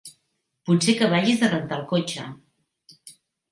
Potser que vagis a rentar el cotxe.